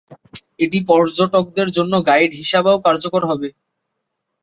এটি পর্যটকদের জন্য গাইড হিসাবেও কার্যকর হবে।